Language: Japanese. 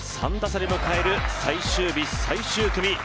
３打差で迎える最終日、最終組。